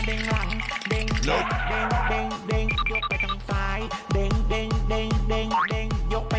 โอ้ยยยยทำไมไม่รู้